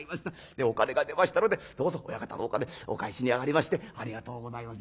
でお金が出ましたのでどうぞ親方のお金お返しに上がりましてありがとうございます」。